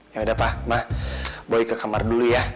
yaudah pa mah boy ke kamar dulu ya